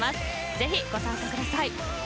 ぜひご参加ください。